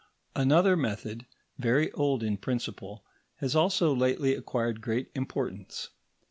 Another method, very old in principle, has also lately acquired great importance.